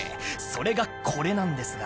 それがこれなんですが。